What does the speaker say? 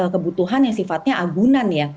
kebutuhan yang sifatnya agunan ya